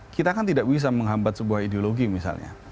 kita kan tidak bisa menghambat sebuah ideologi misalnya